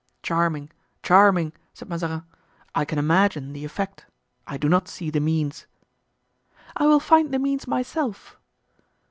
"Charming! charming!" said Mazarin. "I can imagine the effect, I do not see the means." "I will find the means myself."